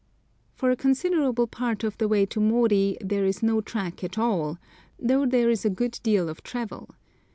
For a considerable part of the way to Mori there is no track at all, though there is a good deal of travel.